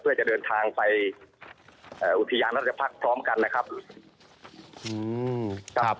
เพื่อจะเดินทางไปเอ่ออุทยานราชภักษ์พร้อมกันนะครับ